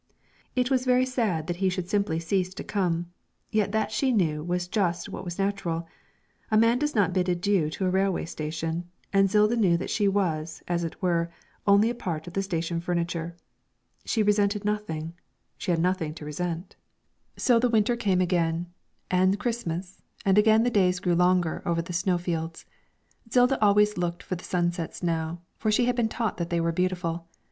It was very sad that he should simply cease to come, yet that she knew was just what was natural; a man does not bid adieux to a railway station, and Zilda knew that she was, as it were, only part of the station furniture. She resented nothing; she had nothing to resent. So the winter came again, and Christmas, and again the days grew longer over the snowfields. Zilda always looked for the sunsets now, for she had been taught that they were beautiful.